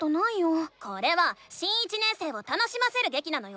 これは新１年生を楽しませるげきなのよ！